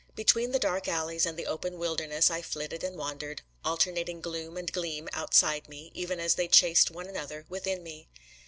Between the dark alleys and the open wilderness I flitted and wandered, alternating gloom and gleam outside me, even as they chased one another within me.